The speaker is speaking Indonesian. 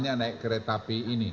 hanya naik kereta api ini